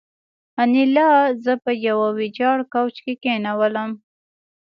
انیلا زه په یوه ویجاړ کوچ کې کېنولم